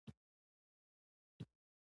په بدن کې تر ټولو زیات اعصاب په لاسونو کې دي.